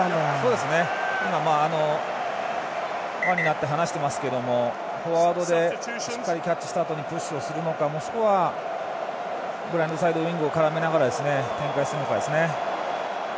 そうですね、輪になって話してましたけどもフォワードでしっかりキャッチしたあとにプッシュをするのか、もしくはブラインドサイドウイングを絡めながら展開するのかですね。